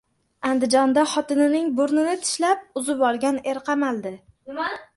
Andijonda xotinining burnini tishlab, uzib olgan er qamaldi